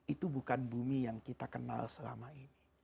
itu bukan bumi yang kita kenal selama ini